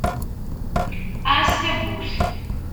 Ɛass tawwurt.